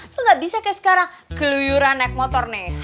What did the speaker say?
lo ga bisa kayak sekarang keluyuran naik motor nih